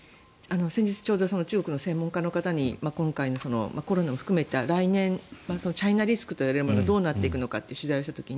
先日、ちょうど中国の専門家の方に今回のコロナも含めた来年、チャイナリスクがどうなっていくか取材をした時に